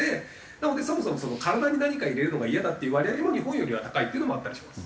なのでそもそも「体に何かを入れるのがイヤだ」っていう割合も日本よりは高いっていうのもあったりはします。